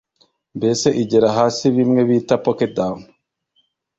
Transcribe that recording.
mbese igera hasi bimwe bita pocket down